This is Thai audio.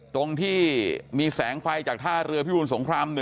ตรงที่มีแสงไฟจากท่าเรือพิบูรสงคราม๑